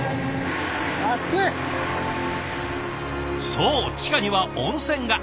そう地下には温泉が。